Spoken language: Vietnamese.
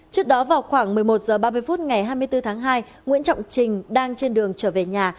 trước đó vào khoảng một mươi một h ba mươi phút ngày hai mươi bốn tháng hai nguyễn trọng trình đang trên đường trở về nhà